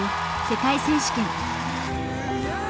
世界選手権。